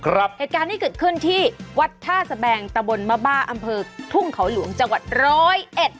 เหตุการณ์ที่เกิดขึ้นที่วัดท่าสแบงตะบนมะบ้าอำเภอทุ่งเขาหลวงจังหวัดร้อยเอ็ด